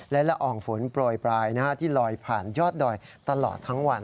และละอองฝนโปรยปลายที่ลอยผ่านยอดดอยตลอดทั้งวัน